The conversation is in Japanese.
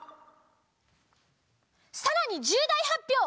さらにじゅうだいはっぴょう！